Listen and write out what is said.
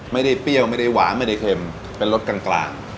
เปรี้ยวไม่ได้หวานไม่ได้เค็มเป็นรสกลาง